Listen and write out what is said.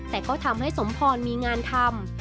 แต่ก็ทำให้สมพรมีงานทำ